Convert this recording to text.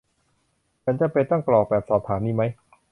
ฉันจำเป็นต้องกรอกแบบสอบถามนี้มั้ย